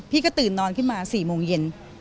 ก็ตื่นนอนขึ้นมา๔โมงเย็น